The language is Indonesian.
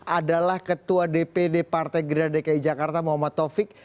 adalah ketua dpd partai gerindra dki jakarta muhammad taufik